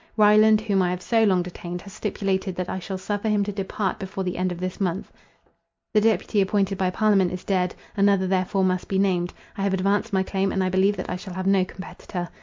Ryland, whom I have so long detained, has stipulated that I shall suffer him to depart before the end of this month. The deputy appointed by parliament is dead; another therefore must be named; I have advanced my claim, and I believe that I shall have no competitor.